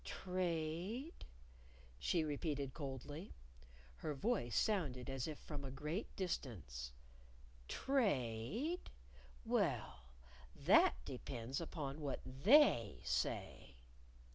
"Trade?" she repeated coldly. (Her voice sounded as if from a great distance.) "Trade? Well, that depends upon what They say."